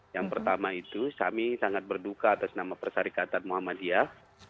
yang pertama itu kami sangat berduka atas nama persyarikatan muhammadiyah